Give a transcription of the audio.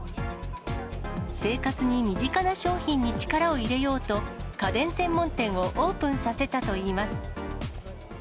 生活に身近な商品に力を入れようと、家電専門店をオープンさせたといいます。